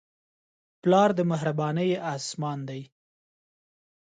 پلار د مهربانۍ اسمان دی.